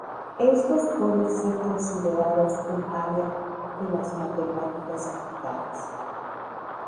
Éstos pueden ser considerados un área de las matemáticas aplicadas.